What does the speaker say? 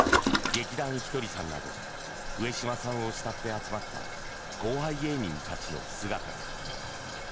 劇団ひとりさんなど上島さんを慕って集まった後輩芸人たちの姿が。